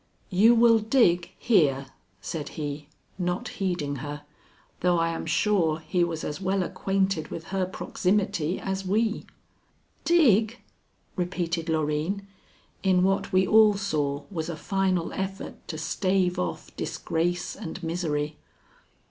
"You will dig here," said he, not heeding her, though I am sure he was as well acquainted with her proximity as we. "Dig?" repeated Loreen, in what we all saw was a final effort to stave off disgrace and misery.